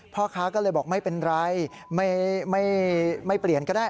พ่อค้าก็เลยบอกไม่เป็นไรไม่เปลี่ยนก็ได้